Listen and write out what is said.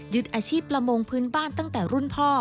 อาชีพประมงพื้นบ้านตั้งแต่รุ่นพ่อ